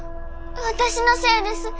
私のせいです。